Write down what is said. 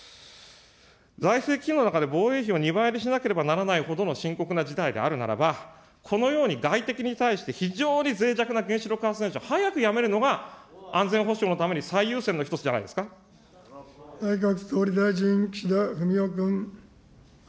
財政機能の中で防衛費を２倍にしなければならないほどの深刻な事態であるならば、このように外敵に対して非常にぜい弱な原子力発電所を早くやめるのが、安全保障のために最優先の１つじゃないで内閣総理大臣、岸田文雄君。